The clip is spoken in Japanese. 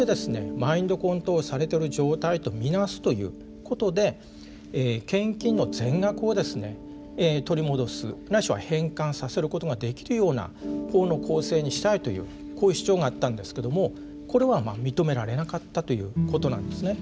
マインドコントロールされてる状態と見なすということで献金の全額をですね取り戻すないしは返還させることができるような法の構成にしたいというこういう主張があったんですけどもこれはまあ認められなかったということなんですね。